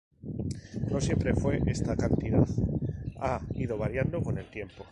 No siempre fue esta cantidad, ha ido variando con el tiempo.